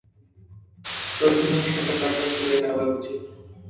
প্রথমেই সেটা পাকা করে নেওয়া উচিত।